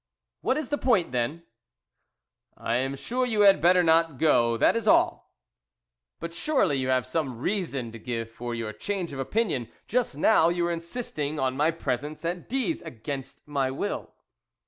"What is the point then?" "I am sure you had better not go, that is all!" "But surely you have some reason to give for your change of opinion; just now you were insisting on my presence at D 's against my will."